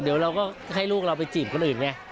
เดี๋ยวเราก็ให้ลูกเราไปจีบคนอื่นไง